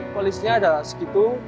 polisinya ada segitu